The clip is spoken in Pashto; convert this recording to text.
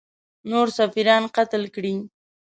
نور سفیران قتل کړي.